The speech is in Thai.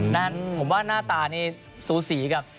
ผมว่าหน้าตาระนี้ซูสิกับ